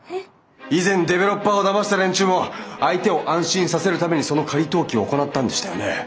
以前デベロッパーをだました連中も相手を安心させるためにその仮登記を行ったんでしたよね。